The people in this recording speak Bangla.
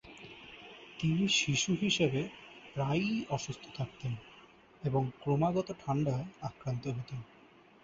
তিনি শিশু হিসাবে, প্রায়ই অসুস্থ থাকতেন এবং ক্রমাগত ঠাণ্ডায় আক্রান্ত হতেন।